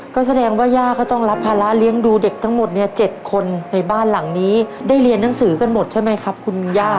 ก็แสดงว่าย่าก็ต้องรับภาระเลี้ยงดูเด็กทั้งหมดเนี่ย๗คนในบ้านหลังนี้ได้เรียนหนังสือกันหมดใช่ไหมครับคุณย่า